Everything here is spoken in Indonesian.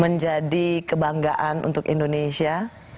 menjadi kebanggaan untuk indonesia